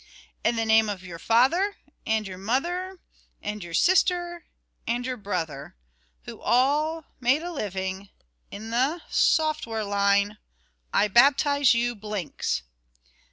"In the name of your father and your mother and your sister and your brother who all made a living in the software line I baptize you Blinks."